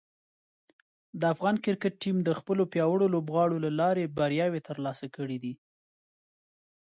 د افغان کرکټ ټیم د خپلو پیاوړو لوبغاړو له لارې بریاوې ترلاسه کړې دي.